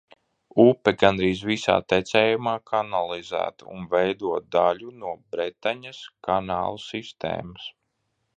Upe gandrīz visā tecējumā kanalizēta un veido daļu no Bretaņas kanālu sistēmas.